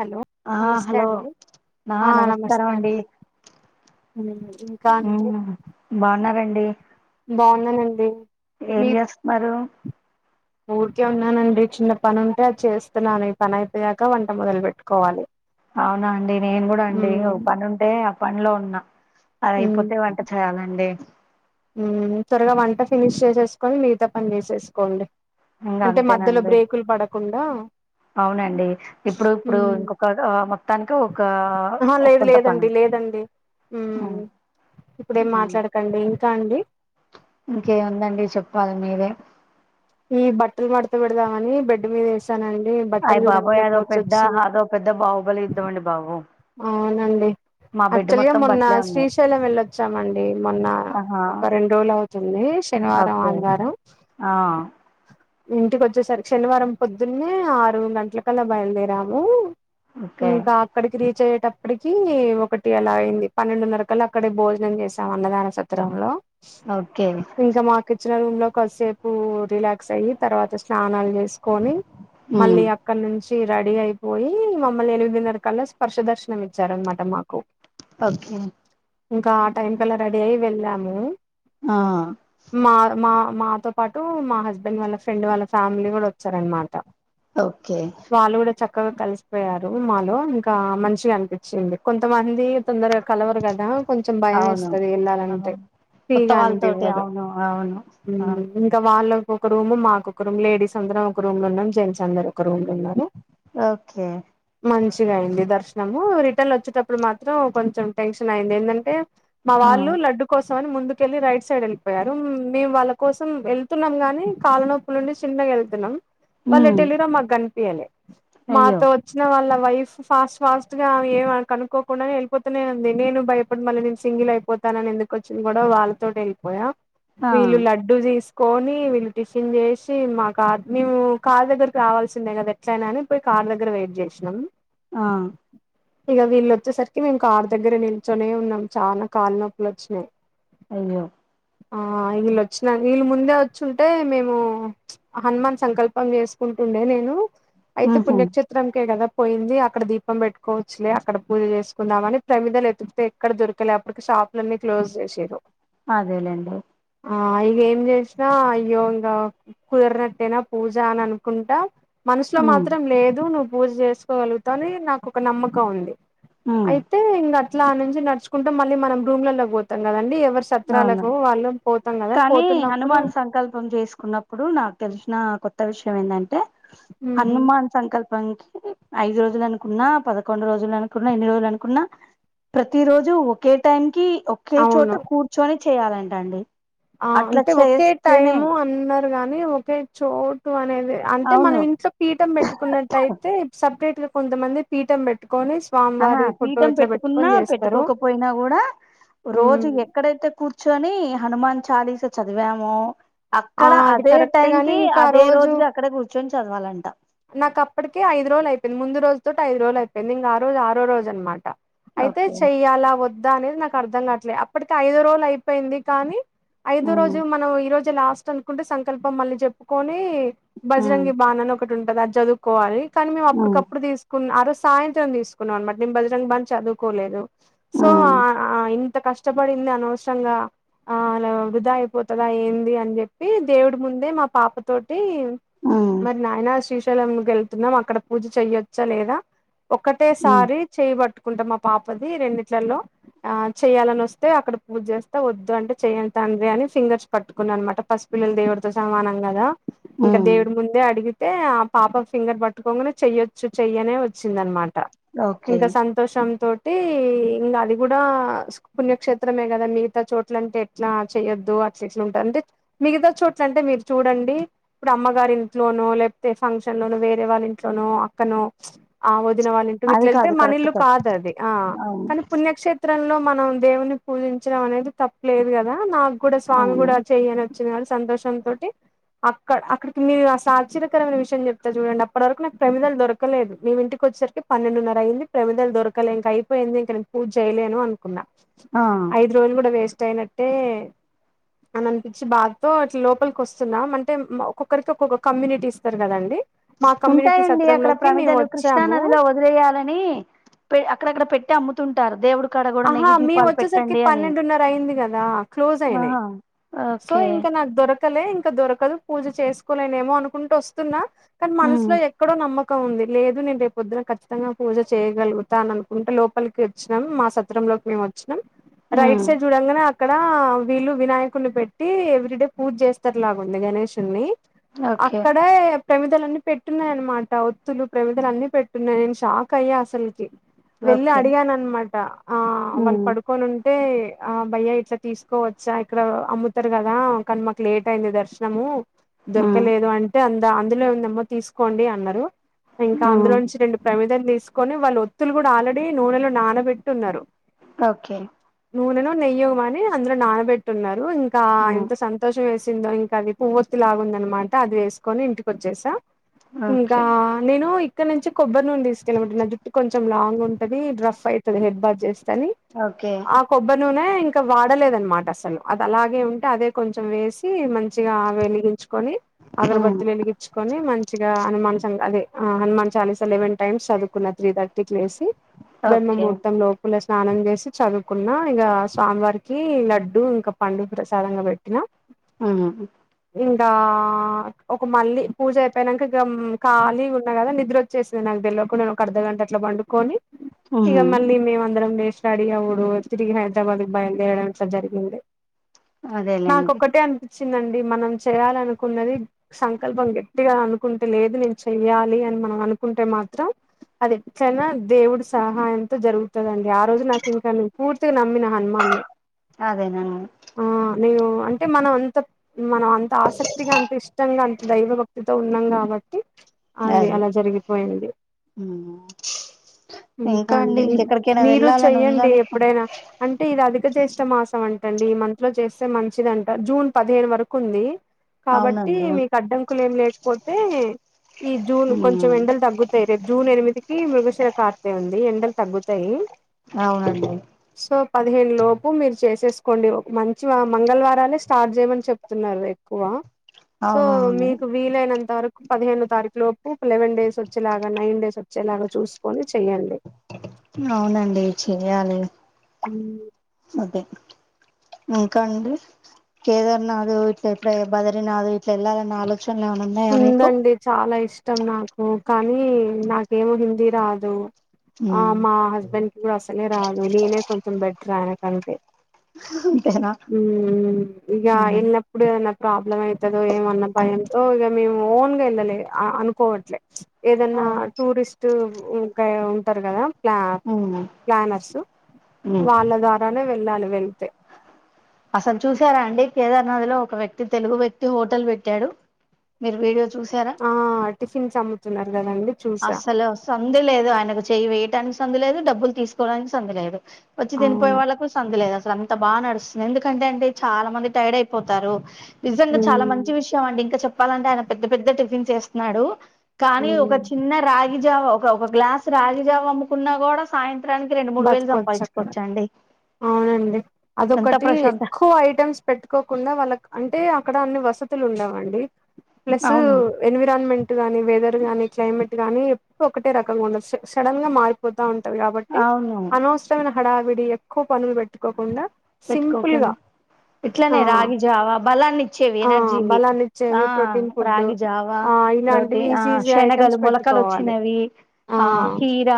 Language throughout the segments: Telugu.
హలో ఆ నమస్తే హలో అండి నా ఆ నమస్కారం నమస్తే అండి ఇంకా అండి మ్బావున్నారండి బావున్నానండీ ఏం చేస్తన్నారు ఊరికే ఉన్నానండి చిన్న పని ఉంటే అది చేస్తున్నాను ఈ పని అయిపోయాక వంట మొదలు పెట్టుకోవాలి అవునా అండి నేను కూడా అండి ఓ మ్మ్ పని ఉంటే ఆ పనిలో ఉన్నా అదైపోతే వంట చేయాలండి ఉమ్ త్వరగా వంట ఫినిష్ చేసేసుకొని మిగతా పని చేసేసుకోండి ఇంగ అంటే మధ్యలో అంతేనండి బ్రేకులు పడకుండా అవునండి ఇప్పుడు ఇప్పుడు మ్మ్ ఇంకొక మొత్తానికి ఒక ఆ. ఒ పెద్ద పని ఇదండి మ్ ఇప్పుడేం మాట్లాడకండి ఇంకా అండి ఇంకేముందండి చెప్పాలి మీరే ఈ బట్టలు మడతపెడదామని బెడ్ మీద వేస నండి అయ్ బట్టలు బాబోయ్ చూడంగానే అదో ముర్చ పెద్ద వచ్చేసింది అదో పెద్ద బాహుబలి యుద్ధం అండి బాబు అవునండి మా బెడ్ యాక్చువల్గా మొత్తం మొన్న బట్టలే ఉన్నాయి శ్రీశైలం వెళ్ళొచ్చామండి మొన్న ఆహా ఒక రెండు రోజులు అవుతుంది శనివారం ఓకే ఆదివారం ఆ ఇంటికి వచ్చేసరికి శనివారం పొద్దున్నే ఆరు గంటలకల్లా బయలుదేరాము ఓకే ఇంకా అక్కడికి రీచ్ అయ్యేటప్ ప్పటికి ఒకటి అలా అయింది పన్నెండున్నర కల అక్కడే భోజనం చేసాం అన్నదాన సత్రంలో ఓకే ఇంకా మాకు రూమ్ లో కొద్సేపు రిలాక్స్ అయ్యి తర్వాత స్నానాలు చేసుకొని ఉమ్ మళ్ళీ అక్కడ నుంచి రెడీ అయిపోయి మమ్మల్ని ఎనిమిదిన్నర కల్లా స్పర్శ దర్శనం ఇచ్చారనమాట మాకు ఓకే ఇంకా ఆ టైం కల్లా రెడీ అయి వెళ్ళాము ఆ మా మా మాతో పాటు మా హస్బెండ్ వాళ్ళ ఫ్రెండ్ వాళ్ళ ఫ్యామిలీ కూడా వచ్చారనమాట ఓకే క్కగా కలిసిపోయారు మాలో ఇంకా మంచిగా అనిపించింది కొంతమంది తొందరగా కలవరు కదా కొంచెం భయం అవును వేస్తుంది వెళ్ళాలంటే అవును కొత్త ఫ్రీగా వాళ్ళతోటి అనిపివ్వదు అవును అవును ఆ హుమ్మ్ ఇంక వాళ్ళు ఒక రూమ్ మాకు ఒక రూమ్ లేడీస్ అందరం ఒక రూమ్ లో ఉన్నాం జెన్స్ అందరు ఒక రూమ్ ఓకే మంచిగా అంది దర్శం రిటర్న్ వచ్చేటప్పుడు మాత్రం కొంచెం టెన్షన్ అయింది ఏంటంటే మా ఆ వాళ్ళు లడ్డు కోసం వాళ్లు ముందుకెళ్ళి రైట్ సైడ్ వెళ్ళిపోయారు మేము వాళ్ళ కోసం వెళ్తున్నాం గాని కాల నొప్పు నుండి చిన్న గా వెళ్తున్నాం వాళ్లు ఉమ్ ఏటిల్లిండ్రు మాకు కనిపియ్యలే అయ్యో మాతో వచ్చిన వాళ్లు వైఫ్ ఫాస్ట్ ఫాస్ట్ గా ఏ కనుకోకుండానే వెళ్ళితూనే ఉంది నేను భయపడి మళ్ళీ నేను సింగిల్ అయిపోత తనను ఎందుకుచ్చిన గొడవ వాళ్ళతో వెళ్ళిపోయా ఆ వీళ్ళు లడ్డు తీసుకొని వీళ్ళు టిషిన్ చేసి మా కార్ మేము కార్ దగ్గరకి రావాల్సిందే కదా ఎట్లయినా అని పోయి కార్ దగ్గర వెయిట్ చేసినాం ఆ ఇక వీళ్ళ వచ్చేసరికి మేము కారు దగ్గర నిల్చొనే ఉన్నాం చాలా కాళ్లు నొప్పులు వచ్చినాయి అయ్యో ఆ వీళ వచ్చిన వీళ్ళ ముందే వచ్చుంటే మేము హనుమాన్ సంకల్పం చేసుకుంటుండే నేను అయితే ఉహు పుణ్యక్షత్రంకే కదా పోయింది అక్కడ దీపం పెట్టుకోవచ్చులే అక్కడ పూజ చేసుకుందాం అని ప్రమిదాలు ఎతుకితే ఎక్కడ దొరికలేటికి షాపులన్నీ క్లోజ్ చేసారు అదేలేండి ఆ ఇగ ఏం చేసినా అయ్యో ఇంకా కుదిరినట్టేనా పూజ అని అనుకుంటా మనసులో ఉమ్ మాత్రం లేదు నువ్వు పూజ చేసుకోగలుగుతా అని నాకు ఒక నమ్మకం ఉంది ఉమ్ అయితే ఇంకా అట్లా నుంచి నడుచుకుంటా మళ్ళీ మనం రూమ్లలో పోతాం కదండి ఎవరి అవును సత్రాలకు వాళ్ళు పోతాం కదా పోతున్నప్పుడు ఇప్పుడు నాకు తెలిసిన కొత్త విషయం ఏంటంటే మ్ హనుమాన్ సంకల్ప కి ఐదు రోజులు అనుకున్నా పదకొండు రోజులు అనుకున్నా ఎన్ని రోజులు అనుకున్నా ప్రతి రోజు ఒకే టైం కి ఒకే చోట అవును కూర్చొని చేయాలంటండి ఆ అంటే ఒకే టైము అందరు గాని ఒకే చోటు అనేది అంటే అవును మనం ఇంట్లో పీఠం పెట్టుకున్నట్టయితే సపరేట్ గా కొంతమంది పీఠం పెట్టు ఆహా పీఠం పెట్టుకున్నా చేస్తారు పెట్టుకోకపోయినా కూడా మ్ రోజు ఎక్కడైతే కూర్చొని హనుమాన్ చాలీస చదివామో ఆ అక్కడ అది అదే కరెక్ట్ టైం గాని కి ఇంకా ఆ అదే రోజు రోజుకి అక్కడ కూర్చొని చదవాలంట నాకు అప్పటికే ఐదు రోజులు అయింది ముందు రోజు తోటి ఐదు రోజులు అయింది ఇంకా ఆ రోజు ఆరో రోజు అనమాట అయితే ఓకే చెయ్యాలా వద్దా అనేది నాకు అర్ధం కాట్లేదు అప్పటికి ఐదు రోజులు అయిపోయింది కానీ ఐదో ఉమ్ రోజు మనం ఈ రోజు లాస్ట్ అనుకుంటే సంకల్పం మళ్ళీ చెప్పుకొని ఉమ్ బజరంగి బాణ్ అని ఒకటి ఉంటంది అది చదువుకోవాలి కానీ మేము ఉమ్ అప్పటికప్పుడు తీసుకున్న ఆరోజు సాయంత్రం తీసుకున్నాం అనమాట నేను బజరంగ్ బాన్ చదువుకోలేదు సో ఉమ్ హ ఎంత కష్టపడింది అనవసరంగా ఆ అలా వృధా అయిపోతుందా ఏంది అని చెప్పి దేవుడి ముందే మా పాపతో ఊ శ్రీశైలం వెళ్తున్నాం అక్కడ పూజ చెయ్యొచ్చా లేదా ఉమ్ ఒకటేసారి చేయబట్టు మా పాపది రెండింట్లలో ఆ చేయ్యాలని వస్తే అక్కడ పూజ చేస్తే వద్దు అంటే చెయను తండ్రి అని ఫింగర్స్ పట్టుకున్నా అనమాట ఫస్ట్ పిల్లలు దేవుడితో సమానం కదా ఇంకా ఉమ్ దేవుడి ముందే అడిగి ఆ పాప ఫింగర్ పట్టుకోకునే చెయ్యొచ్చు చెయ్యనే వచ్చింద అనమాట ఓకే ఇంకా సంతోషంతో [inaudible] ఇంకా అది కూడా పుణ్యక్షేత్రమే కదా మిగతా చోట్ల అంటే ఎట్లా చెయ్యొద్దు అట్ల ఇట్లా ఉంటంది మిగతా చోట్ల అంటే మీరు చూడండి ఇప్పుడు అమ్మగారి ఇంట్లోనో లేకపో ఫంక్షన్ లోనొ వేరే వాళ్ళ ఇంట్లోనో అక్కనో ఆ వాళ్ళు ఇంటి అది గిట్ల వెళ్తే కాదు కరెక్ట్ మనిల్లు కాదు కాదది ఆ అవును కానీ పుణ్యక్షేత్రంలో మనం దేవుని పూజించడం అనేది తప్పలేదు కదా నాకు కూడా స్వామి అవును కూడా చెయన వచ్చు సంతోషంతోటి అక్కడ అక్కడికి మీరు అసలు ఆశ్చర్య కరమైన విషయం చెప్తా చూడండి అప్పటి వరకు నాకు ప్రమిదలు దొరకలేదు మేం ఇంటికి వచ్చసరికి పన్నెండున్నర అయింది ప్రమిలు దొరక ఇంక అయిపోయింది ఇంక నేను పూజ చేయలేను అనుకున్నా ఆ ఐదు రోజులు కూడా వే టయి నట్టే అని అనిపించి బాద్తో అట్లా లోపలి వస్తున్నా అంటే ఒక్కొక్కరికి ఒక్కొక్క కమ్యూనిటీస్ టర్ కదండి ఉంటాయండి అక్కడ మేము ప్రమిదలు కృష్ణా వచ్చాము నదిలో వదిలేయాలని అక్కడక్కడ పెట్ ట్టి అమ్ముతుంటారు దేవుడు ఆహా మేం వచ్చేసరికి పన్నెండున్నర అయింది కదా క్లోజ్ అయినాయి ఆహా సో ఓకే ఇంకా నాకు దొరక్ కలే ఇంకా దొరకదు పూజ చేసుకోలేనేమో అనుకుంటూ వస్తున్నా కానీ ఉమ్ మనసులో ఎక్కడో నమ్మ కం ఉంది లేదు నేను రేపొద్దున ఖచ్చితంగా పూజ చేయగలుగుతా అని అనుకుంట లోపలికి వచ్చినా మా సత్ త్రం లోకి మేము వచ్చినాం రైట్ ఉమ్ సైడ్ చూడంగనే అక్కడ వీళ్ళు వినాయకున్నీ పెట్టి ఎవ్రీ డే పూజ చేస్తారులాగుంది గణేశున్నీ ఓకే అక్కడే ప్రమిదలన్నీ పెట్టున్నాయ అనమాట ఒత్తులు ప్రమిదలు అన్ని పెట్టున్నాయి నేను షాక్ అయ్యా అసలికి వెళ్ళి ఓకే అడిగాననమాట ఆ వాళ్ళు ఉమ్ పడుకొనుంటె తే ఆ భయ్య ఇట్లా తీసుకోవచ్చా ఇక్కడ అమ్ముతారు కదా కానీ మాకు లేట్ అయింది దర్శనము ఉమ్ దొరకలేదు అంటే అంద అందులో ఏం ఉందమ్మా తీసుకోండి అన్నారు ఇంకా అందులో ఉమ్ నుంచి రెండు ప్రమిదాలు తీసుకొని వాళ్ళ ఒత్తులు కూడా ఆల్రెడీ నూనెలో నానబెట్టి ఉన్నారు ఓకే నునెనో నెయ్యో గాని అందులో నానబెట్టున్నారు ఇంకా ఉమ్ ఎంత సంతోషమేస్ సిందో ఇంకా అది పువోత్తి లాగుందనమాట అది వేసుకొని ఇంటికి వచ్చేసా ఇంకా ఓకే నేను ఇక్కడ నుంచి కొబ్బరి నూనె తీసుకెళ్ళమంటున్న జట్టు కొంచెం లాంగ్ ఉంటు డ్రఫ్ హెడ్ బాత్ చేస్తే అని ఓకే కొబ్బరి నూనె ఇంకా వాడలేదనమాట అసలు అది అలాగే ఉంటే అదే కొంచెం వేసి మం మంచిగా ఆవి వెలిగించుకొని ఉమ్ అగరబత్తులు వెలిగించుకొని మంచిగా అను మనసం అదే హా హనుమాన్ చాలీసా లెవెన్ టైమ్స్ చదువుకున్న త్రీ థర్టీకి లేసి బ్రహ్మ ఓకే ముహూర్తం లోపుల స్నానం చేసి చదువుకున్న ఇగ స్వామివారికి లడ్డు ఇంకా పండు ప్రసాదంగా పెట్టినా హ్మ్ ఇంగా ఒక మళ్ళీ పూజ అయిపోయినంకా గం ఖాళీగున్నా కదా నిద్రోచేస్తది నాకు తెలువకుండానే ఒక అర్ధ గంట అట్లా పండుకొని హ్మ్ మేమ అందరం లేసి రెడీ అవ్వుడు తిరిగి హైదరాబాద్ కి బయలు దేరడం ఇట్లా జరిగింది అదేలేండి వచ్చిందండి మనం చేయాల అనుకున్నది సంకల్పం గట్టిగా అనుకుంటే లేదు నేను చెయ్యాలి అని మనం అనుకుంటే మాత్రం అది చనా దేవుడు సహాయంతో జరుగుతుదండి ఆ రోజు నాకు ఇంకా నేను పూర్తిగా నమ్మిన హనుమాన్ ని రా ఆ నేను అంటే మనం అంత మనం అంత ఆసక్తిగా అంత ఇష్టంగా అంత దైవభక్తితో ఉం ఉన్నాం కాబట్టి అది అదే అలా జరిగిపోయింది ఉమ్ ఇంకా అండి ఇంకెక్కడికైనా మీరు వెళ్ళాలని ఉందా చెయ్యండి మీకు ఎప్పుడైనా అంటే ఇది అదిక జ్యేష్ట మాసం అంటండి ఈ మంత్ లో చేస్తే మంచిది అంట జూన్ పదిహేడు వరకు ఉంది కాబట్టి అవునండి మీకు అడ్డంకులు ఏం లేకపోతే ఈ జూన్ కొంచెం ఉమ్ ఎండలు తగ్గుతాయి రేపు జూన్ ఎనిమిదికి మృగశిరకార్తి ఉంది ఎండలు తగ్గుతాయి అవునండి సో పదిహేను లోపు మీరు చేసేస్ కొండి మంచి మంగళవారాలే స్టార్ట్ చేయమని చెప్తున్నారు ఎక్కువ సో అవునవును మీకు వీలైనన్ తరకు పదిహేనో తారీఖు లోపు లెవెన్ డేస్ వచ్చేలాగా నైన్ డేస్ వచ్చేలాగా చూసుకొని చెయండి. అవునండి చేయాలి. ఉహూ్ అదే ఇంకా అండి కేదార్నాథ్ ఇట్లా ఎట్లా బద్రినాథ్ ఇట్ల ఏళ్లల్ అన్న ఆలోచన ఉందండి. చాలా ఇష్టం నాకు కానీ నాకేమో హిందీ రాదు. ఆ ఉమ్ మా హస్బెండ్ కి కూడా అసలే రాదు. నీనే కొంచెం బెటర్ ఆయనకంటే. అంతేనా ఉహుమ్ ఇగా ఉమ్ ఎల్లప్పుడు నాత్ ప్రాబ్లమ్ అయితదో ఏవన్నా భయంతో ఇగా మేము ఓన్గా వెళ్ళలే ఆ అనుకోవట్లే ఏదైన్నా టూరిస్ట్ ఉగ్గాయా ఉంటారు గదా ప్లా ఉమ్ ప్లానర్సు ఉమ్ వాళ్ళ ద్వారానే వెళ్ళాలి వెళ్తే అసలు చూసారా అండి. కేదార్ నదిలో ఒక వ్యక్తి తెలుగు వ్యక్తి హోటల్ వేట్టాడు. మీరు వీడో ఆ టిఫిన్స్ అమ్ముతున్నారు గదండి. అస్సలు సందు లేదు. ఆయనకు చేయి వేయటానికి సందు లేదు, డబ్బులు తీసుకోవడానికి సందు లేదు. వచ్చి దినిపోయే అవును వాళ్ళకు సందు లేదస్. అద్ అంత బాగా నడుస్తుంది. ఎందుకంటే అంటే చాలా మంది టైర్డ్ అయిపోతారు. నిజంగా చాలా ఉమ్ మంచి విషయం అండి. ఇంకా చెప్పాలంటే ఆయన పెద్ద పెద్ద టిఫిన్ చేస్తున్నాడు కానీ ఉమ్ ఒక చి రాగి జావ ఒక ఒక గ్లాస్ రాగి జావ అమ్ముకున్నా గూడా సాయన్ రెండు మూడు వేలు బతుకొచ్చు అక్కడ సంబయిచ్చుకోవచ్చండి. అవునండి. అదొకటి ప్రశాంత ఎక్కువ ఐటమ్స్ పెట్టుకోకుండా వాళ్ళకు అంటే ఆక్ క్కడ అన్ని వసతులు ఉండవండి ప్లస్ అవును ఎన్విరాన్మెంన్ టు గానీ వెదర్ గానీ క్లైమేట్ గానీ ఎప్పుడు ఒకటే రకంగా ఉండదు. సో సడన్ గా మారిపోతా ఉంటంది గాబ్ అవును హడావిడి ఎక్కువ పనులు బెట్టుకోకుండా పెట్టుకోకుండా ఇట్లనే ఆ రాగి జావా బలాన్ని ఇచ్చేవి ఆ ఎనర్జీవి బలాన్ని ఆ ఇచ్చేవి ప్రోటీన్ ఫుడ్ రాగి జావా ఆ ఇలాంటివి ప్రోటీన్ ఆ ఈజీ ఈజీ శనగలు ఐటమ్స్ మొలకలు పెట్టుకోవాలి వచ్చినవి ఆ కీర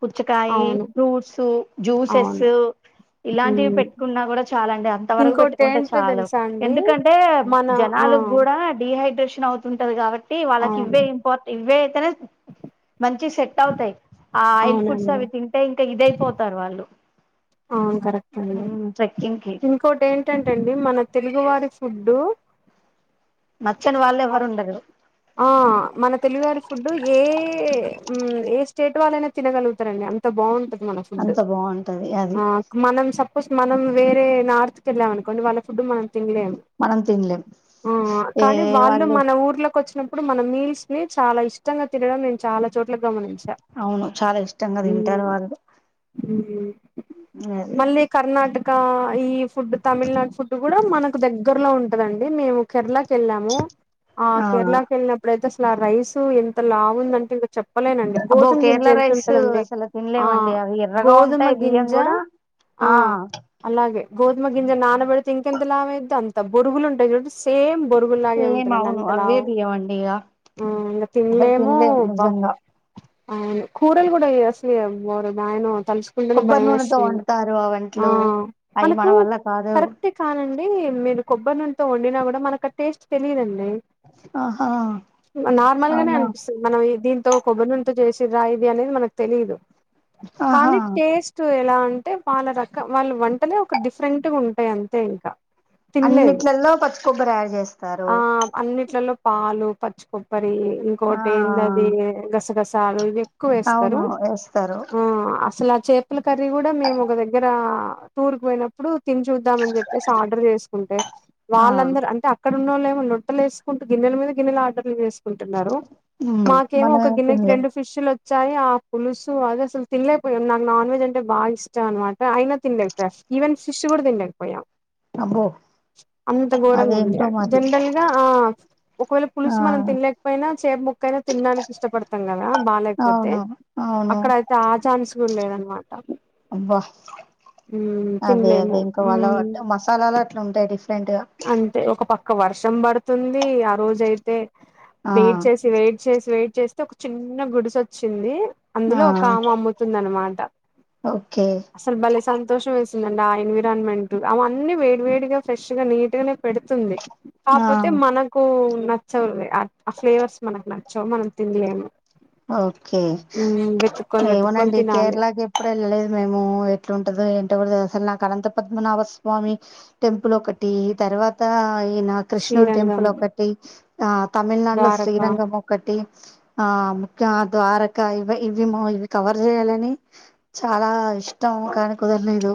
పుచ్చకాయ్ అయి అవును ఫ్రూట్స్ జ్యూసెస్ అవును ఇలాంటివి హ్మ్ పెట్ చాలండి. అంత వరకు ఇంకోటి పెట్టుకుంటే ఏంటో చాలు తెలుసా అండి ఎందుకంటే మన ఆ జనాల్ గూడా డీహైడ్రేషన్ నవుతుంటది గాబట్టి వాళ్ళకి అవును ఇవే ఇంపార్టె ఇవే ఇంతనే మంచి సెట్ అవుతాయ్. ఆ ఆయిల్ ఫుడ్స్ అవునండి అవి తింటే ఇంకా ఇదయిపోతారు వాళ్ళు అవున్ కరెక్ట్ అండి. ట్రెక్కింగ్ కి ఇంకోటి ఏంటంటే అండి మనక్ తెల్ ఎగువడి ఫుడ్డు నచ్చని వాళ్ళు ఎవరు ఉండరు ఆ మన తెలుగువారి ఫుడ్డు ఏ ఉమ్ ఏ స్టేట్ వాళ్ళైనా తినగలుగుతారండి అంత బావున్ అంత బావుంటది. ఆ నాక్ మనం సపోజ్ మనం వేరే నార్త్కి ఏళ్ళామ అనుకోండి వాళ్ళ ఫుడ్ మనం మనం తినలేం ఆ కానీ వాళ్ళు మన ఊర్లోకి వచ్చినమ్ ఇప్పుడు మన మీల్స్ ని చాలా ఇష్టంగా తినడం నేను చాలా చోట్లా గమనించా అవును చాలా ఇష్టంగా అదే అటుకా ఈ ఫుడ్ తమిళనాడు ఫుడ్ కూడా మనకు దగ్గరలో ఉంటదండి. అది మేము కేరళకి ఏళ్ళాము. ఆ కేరళకు ఏళ్ళినప్పుడయితే అసలు రైస్ ఎ ఎంత లావుందంటే ఇంక చెప్పలేనండి అబ్బో గోధుమ గింజ కేరళ ఎంత రైస్ ఉంటదండి అసలు ఆ తినలేవండి అవి ఎర్రగా గోధుమ ఉంటాయి బియ్యం గింజ కూడా ఆ అలాగే గోధుమ గింజ నానబెడితే ఇంకెన్ అంత లావు అయితే అంత బొరుగులు ఉంటాయి సేమ్ బొరుగులాగే సేమ్ ఉంటుదండి అవును అంత అవే లావు బియ్యం అండి ఇగ ఆ ఇంకా అసలు తినలేము తినలేం బా నిజంగా అవును కూరలు కూడా అసలు ఓరినాయనో తలుచుకుంటునే కొబ్బరి భయం వేస్ నూనెతో వండుతారు ఆ వంటలు అవి మన మనకు వల్ల కాదు కరెక్టే కానండి మీరు కొబ్బరి నూనెతో వండిన కూడా మనకు ఆ టేస్ట్ తెలీయదండి ఆహా నార్మల్ గానే అవునా అనిపిస్తుంది మనం దీంతో కొబ్బరి నూనతో చేసే రాయిది అనేది మనకు తెలీదు‌ ఆహా కానీ టేస్ట్ ఎలా అంటే వాళ్ళ రక వాళ్ళ వంటనే ఒక డిఫరెంట్ గా ఉంటాయి అంతే ఇంకా తిన్లేము అన్నిట్లలో పచ్చి కొబ్బరి యాడ్ చేస్తారు ఆ అన్నిట్లలో పాలు పచ్చికొబ్బరి ఆ ఇంకోటి ఏందది గసగసాలు ఇవి ఎక్కువ వేస్తరు అవును వేస్తారు ఆ అసలు చేపల కర్రీ కూడా మేము ఒక దగ్గర టూర్ కు పోయినప్పుడు తిని చూద్దాం అని చెప్పేసి ఆర్డర్ చేసుకుంటే ఆ వాళ్ళందరు అంటే అక్క అక్కడ ఉన్నోళ్లేమోలోట్టలు వేసుకుంటూ గిన్నె మీద గిన్నె ఆర్డర్లు చేస్ కుంటున్నారు ఉమ్ మాకేమో మనం ఒక ఏం గిన్నెకి తినలేం రెండు ఫిష్ లు చా ఆ పులుసు అది అసలు తినలేపోయాం నా నాన్ వెజ్ అంట ఆ బాగా ఇష్టం అన్నమాట అయిన తినలేకపోయా ఈవెన్ ఫిష్ కూడా తినలేకపోయా అబ్బో అంత ఘోరంగా ఉంది అదేంటో మరి జనరల్గా ఆ ఒకవేళ ఆ పులుసు మనం తినలేకపోయినా ముక్క అయినా తినడానికి ఇష్టపడతాం కదా బాలేక పోతే అవును అవును అక్కడ అయితే ఆ చాన్స్ లేద అనమా అబ్బా మ్మ్ అదే తినలేము అదే ఇంకా వాళ్ళ మ్మ్ మసాలాలు అట్లు ఉంటాయి డిఫరెంట్ గా అంతే ఒక పక్క వర్షం పడుతుంది ఆ రోజు అయితే ఆ వెయిట్ చేసి వెయిట్ చేసి వెయిట్ చేస్తే ఒక చిన్న గుడిసె వచ్చింది. ఆ అందులో ఒక ఆమె అమ్ముతుంది అనమాట ఓకే అసలు భలే సంతోషం వేసి నా ఎన్విరాన్మెంట్ అవన్నీ వేడి వేడిగా ఫ్రెష్ గా నీట్ గానే పెడుతుంది. ఆ కాపోతే మనకు నచ్చవు అవి ఆ ఫ్లేవర్స్ మనకు నచ్చవు మనం తినలేము ఓకే మ్మ్ వెతుక్కొని వెతుక్కొని ఏమోనండి తినాలి కేరళకి ఎప్పుడు వెళ్ళలేదు మేము ఎట్లుంటదో ఏంటో కూడా అలాకనంత పద్మనాభ స్వామి టెంపుల్ ఒకటి తర్వాత ఈన క్రిష్ణూర్ శ్రీరంగం టెంపుల్ ఒకటి ఆ తమిళనాడులో ద్వారకా శ్రీరంగం ఒకటి ఆ ద్వారకా ఇవి ఇవి ఇవి కవర్ చేయాలని చాలా ఇష్టం కానీ కు లేదు